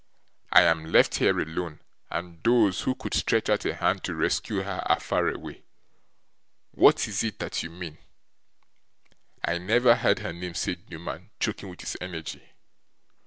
I am left here alone, and those who could stretch out a hand to rescue her are far away. What is it that you mean?' 'I never heard her name,' said Newman, choking with his energy.